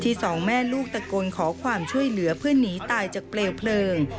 สองแม่ลูกตะโกนขอความช่วยเหลือเพื่อนหนีตายจากเปลวเพลิง